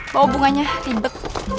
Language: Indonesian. bawa bunganya dibek